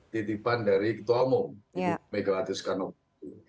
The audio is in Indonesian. titipan dari ketua umum ibu megawati soekarno putri